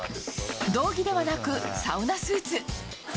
道着ではなくサウナスーツ。